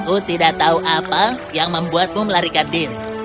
aku tidak tahu apa yang membuatmu melarikan diri